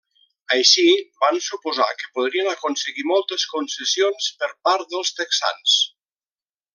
Així, van suposar que podrien aconseguir moltes concessions per part dels texans.